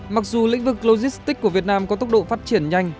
mặc dù lĩnh vực logistics của việt nam có tốc độ phát triển nhanh